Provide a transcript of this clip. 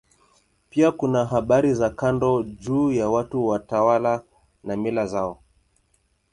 Pia kuna habari za kando juu ya watu, watawala na mila zao.